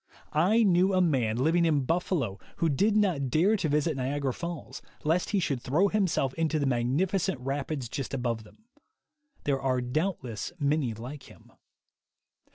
I knew a man living in Buffalo who did not dare to visit Niagara Falls, lest he should throw himself into the magnificent rapids just above them. There are doubtless many like him.